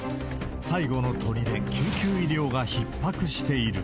最後のとりで、救急医療がひっ迫している。